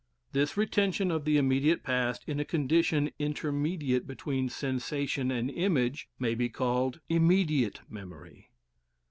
This retention of the immediate past in a condition intermediate between sensation and image may be called "immediate memory."